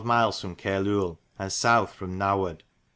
myles fro Cairluel, and sowth fro Naward.